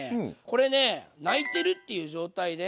これね「泣いてる」っていう状態で。